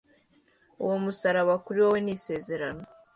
uwo musaraba kuri wowe ni isezerano